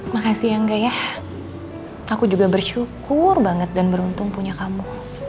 makasih ya nggak ya aku juga bersyukur banget dan beruntung punya kamu